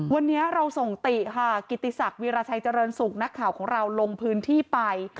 วันนี้เราส่งติค่ะกิติศักดิราชัยเจริญสุขนักข่าวของเราลงพื้นที่ไป